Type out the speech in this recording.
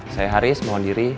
saya haris mohon diri